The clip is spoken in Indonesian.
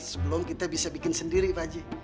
sebelum kita bisa bikin sendiri pak ji